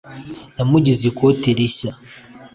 yamugize ikote rishya